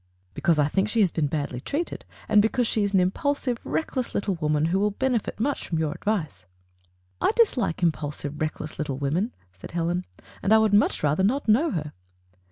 "Because I think she has been badJy treated, and because she is an impulsive, reckless little woman who will benefit much from your advice." "I dislike impulsive, reckless little women," said Helen, "and I would much rather not know her."